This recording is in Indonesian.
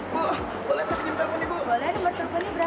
bu boleh saya pinjam telepon nih bu